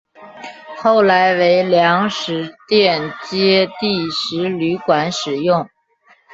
后来为粮食店街第十旅馆使用。